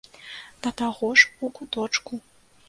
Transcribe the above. Да таго ж у куточку.